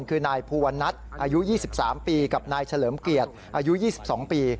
คือนายภูวนัทอายุ๒๓ปีกับนายเฉลิมเกียรติอายุ๒๒ปี